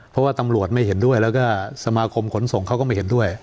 เพราะว่าตำรวจไม่เห็นด้วยแล้วก็สมาคมขนส่งเขาก็ไม่เห็นด้วย